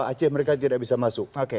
aceh mereka tidak bisa masuk